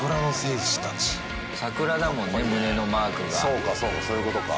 そうかそうかそういうことか。